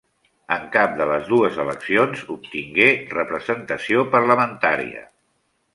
En cap de les dues eleccions obtingué representació parlamentària.